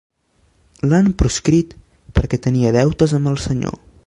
L'han proscrit perquè tenia deutes amb el senyor.